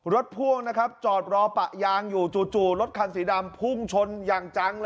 รถพ่วงจอดรอภรรยางอยู่จู่รถคันสีดำฟุ้งชนอย่างจัง